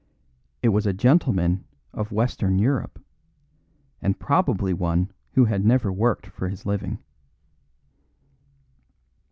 It was a gentleman of western Europe, and probably one who had never worked for his living.